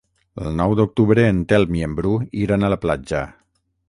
El nou d'octubre en Telm i en Bru iran a la platja.